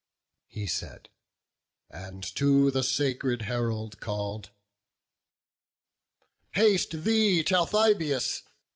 He said, and to the sacred herald call'd: "Haste thee, Talthybius!